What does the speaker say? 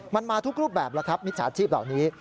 มันมาทุกรูปแบบแล้วครับมิจฉาชีพเหล่านี้